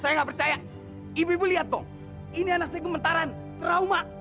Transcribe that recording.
saya nggak percaya ibu ibu lihat dong ini anak saya gementaran trauma